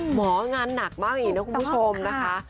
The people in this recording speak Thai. หมองานหนักมากอีกนะคุณผู้ชมนะคะ